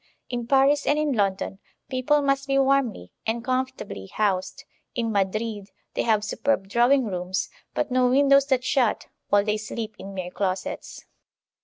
In Paris and in London people must be warmly and comfortably housed; in Madrid they have superb drawing rooms, but no windows that shut, while they sleep in mere closets.